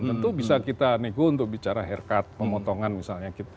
tentu bisa kita nego untuk bicara haircut pemotongan misalnya